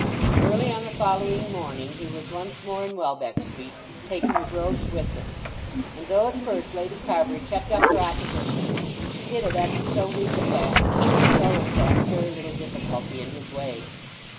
Early on the following morning he was once more in Welbeck Street, taking the brooch with him; and though at first Lady Carbury kept up her opposition, she did it after so weak a fashion as to throw in fact very little difficulty in his way.